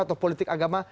atau politik agama